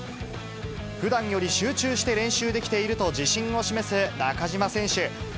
ふだんより集中して練習できていると自信を示す中島選手。